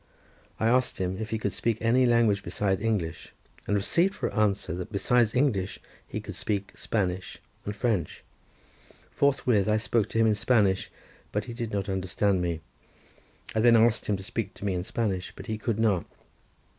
I asked him if he could speak any language besides English, and received for answer that besides English, he could speak Spanish and French. Forthwith I spoke to him in Spanish, but he did not understand me. I then asked him to speak to me in Spanish, but he could not.